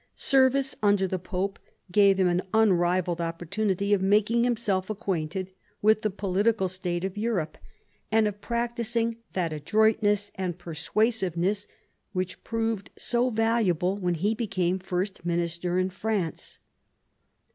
Service under the Pope gave him an unrivalled opportunity of making himself acquainted with the political state of Europe, and of practising that adroit ness and persuasiveness which proved so valuable when he became First Minister in France.